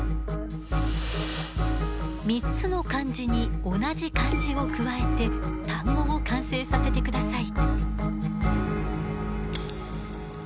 ３つの漢字に同じ漢字を加えて単語を完成させてください。